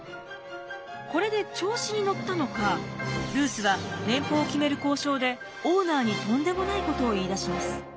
これで調子に乗ったのかルースは年俸を決める交渉でオーナーにとんでもないことを言いだします。